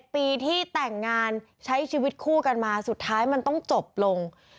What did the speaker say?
ปีที่แต่งงานใช้ชีวิตคู่กันมาสุดท้ายมันต้องจบลง